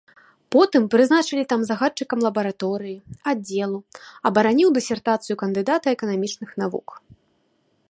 Потым прызначылі там загадчыкам лабараторыі, аддзелу, абараніў дысертацыю кандыдата эканамічных навук.